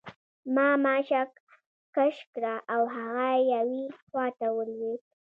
ما ماشه کش کړه او هغه یوې خواته ولوېد